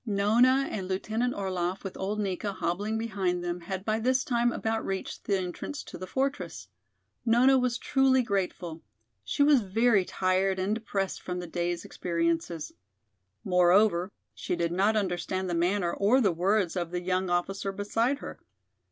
Nona and Lieutenant Orlaff with old Nika hobbling behind them had by this time about reached the entrance to the fortress. Nona was truly grateful. She was very tired and depressed from the day's experiences. Moreover, she did not understand the manner or the words of the young officer beside her.